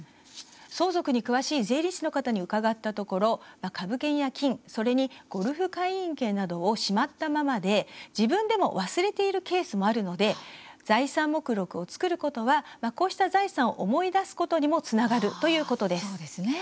相続に詳しい税理士の方に伺ったところ、株券や金それに、ゴルフ会員券などをしまったままで、自分でも忘れているケースもあるので財産目録を作ることはこうした財産を思い出すことにもつながる、ということです。